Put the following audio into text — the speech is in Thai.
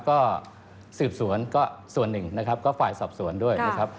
ก็สืบสวนก็ส่วนหนึ่งนะครับก็ฝ่ายสอบสวนด้วยนะครับ